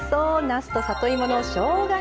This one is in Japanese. なすと里芋のしょうが